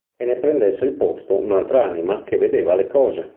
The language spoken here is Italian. E ne prendesse il posto un'altra anima che vedeva le cose.